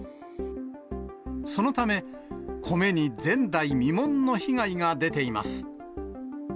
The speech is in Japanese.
そのため、米に前代未聞の被害が出ています。